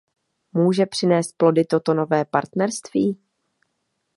Může přinést plody toto nové partnerství?